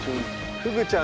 フグちゃん！